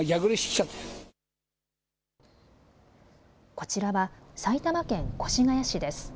こちらは埼玉県越谷市です。